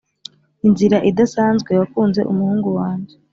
inzira idasanzwe wakunze umuhungu wanjye,